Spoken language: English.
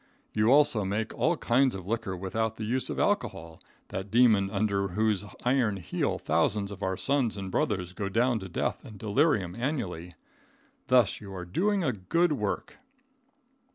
You also make all kinds of liquor without the use of alcohol, that demon under whose iron heel thousands of our sons and brothers go down to death and delirium annually. Thus you are doing a good work.